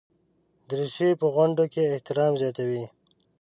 دریشي په غونډو کې احترام زیاتوي.